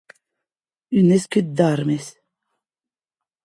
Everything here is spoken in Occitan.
Un escut d’armes.